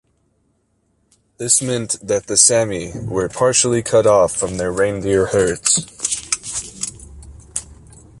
This meant that the Sami were partially cut off from their reindeer herds.